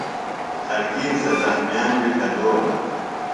خلکِیم سےۡ زخمِیان بیۡ پھیدولہ۔